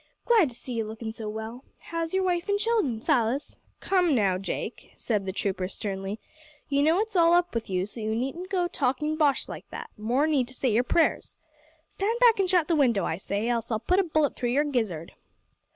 Glad to see you lookin' so well. How's your wife an' the child'n, Silas?" "Come now, Jake," said the trooper sternly, "you know it's all up with you, so you needn't go talkin' bosh like that more need to say your prayers. Stand back and shut the window, I say, else I'll put a bullet through your gizzard."